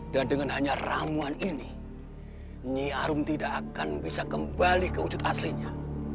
dan dengan hanya ramuan ini nyaro tidak akan bisa kembali ke wujud aslinya